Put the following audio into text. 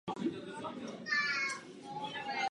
Samý broky.